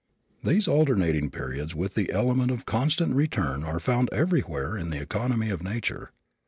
These alternating periods with the element of constant return are found everywhere in the economy of nature.